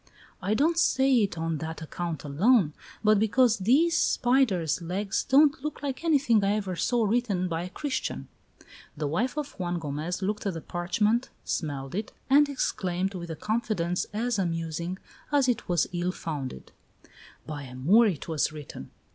"I don't say it on that account alone, but because these spider's legs don't look like anything I ever saw written by a Christian." The wife of Juan Gomez looked at the parchment, smelled it, and exclaimed, with a confidence as amusing as it was ill founded: "By a Moor it was written!"